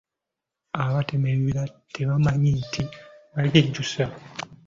Abatema ebibira tebamanyi nti balyejjusa.